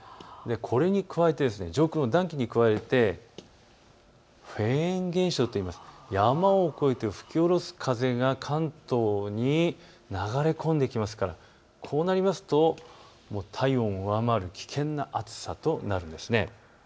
これに加えて上空の暖気に加えてフェーン現象といって山を越えて吹き降ろす風が関東に流れ込んできますからこうなると体温を上回るような危険な暑さとなるんです。